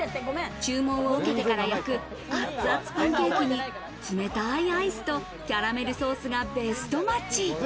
注文を受けてから焼く熱々パンケーキに冷たいアイスとキャラメルソースがベストマッチ。